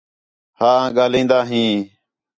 ہا آں ڳاھلین٘دا ہیں